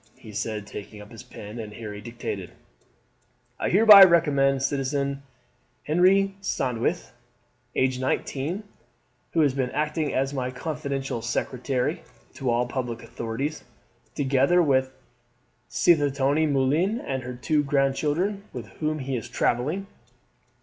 he said, taking up a pen; and Harry dictated: "I hereby recommend Citizen Henri Sandwith, age 19, who has been acting as my confidential secretary, to all public authorities, together with Citoyenne Moulin and her two grandchildren, with whom he is travelling."